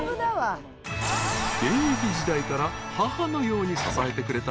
［現役時代から母のように支えてくれた］